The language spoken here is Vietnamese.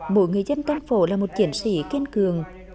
mỗi người dân tân phổ là một chiến sĩ kiên cường